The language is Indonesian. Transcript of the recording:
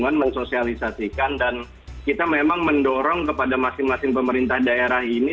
kita sudah men sosialisasikan dan kita memang mendorong kepada masing masing pemerintah daerah ini